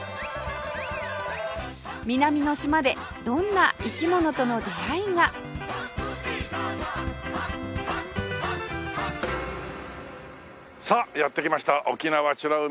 南の島でどんな生き物との出会いがさあやって来ました沖縄美ら海水族館。